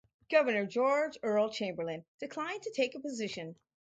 Governor George Earle Chamberlain declined to take a position.